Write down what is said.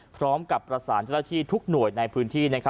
พร้อมกับประสานเจ้าหน้าที่ทุกหน่วยในพื้นที่